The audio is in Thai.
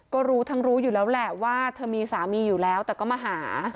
ก็รู้ทั้งรู้อยู่แล้วแหละว่าเธอมีสามีอยู่แล้วแต่ก็มาหา